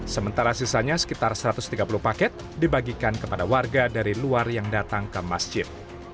sementara sisanya sekitar satu ratus tiga puluh paket dibagikan kepada warga dari luar yang datang ke masjid